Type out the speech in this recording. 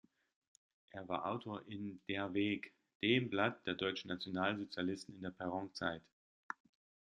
Er war Autor in Der Weg, dem Blatt der deutschen Nationalsozialisten in der Peron-Zeit.